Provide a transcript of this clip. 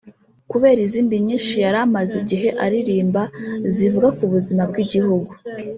kubera izindi nyinshi yari amaze igihe aririmba zivuga ku buzima bw’igihugu